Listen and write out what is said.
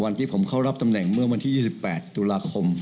วันที่ผมเข้ารับตำแหน่งเมื่อวันที่๒๘ตุลาคม